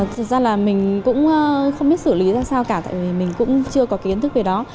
thực ra là mình cũng không biết xử lý ra sao cả tại vì mình cũng chưa có kiến thức về đó